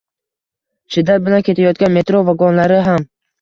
Shiddat bilan ketayotgan metro vagonlari ham